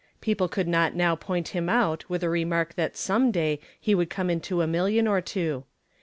People could not now point him out with the remark that some day he would come into a million or two.